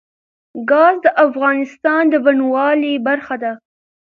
ګاز د افغانستان د بڼوالۍ برخه ده.